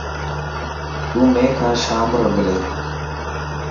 تون مين کان شام رو ملي.